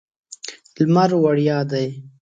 لمر وړیا دی.